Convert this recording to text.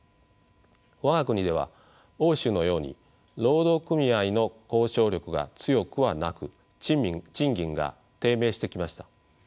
我が国では欧州のように労働組合の交渉力が強くはなく賃金が低迷してきました。